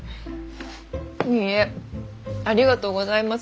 いいえありがとうございます。